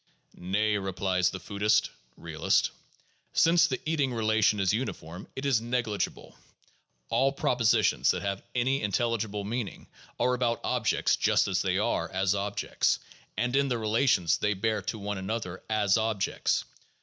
Nay, replies the foodist (realist) : Since the eating relation is uniform, it is negligible. All propositions that have any intelligible meaning are about objects just as they are as objects, and in the rela tions they bear to one another as objects.